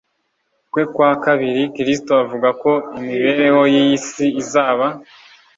kwe kwa kabiri Kristo avuga ko imibereho yiyi si izaba